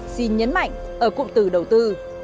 xin nhấn mạnh ở cụm từ đầu tư